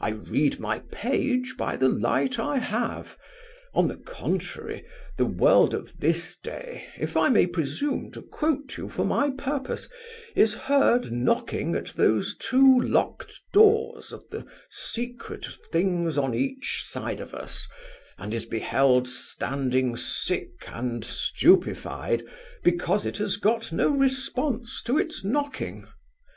I read my page by the light I have. On the contrary, the world of this day, if I may presume to quote you for my purpose, is heard knocking at those two locked doors of the secret of things on each side of us, and is beheld standing sick and stupefied because it has got no response to its knocking.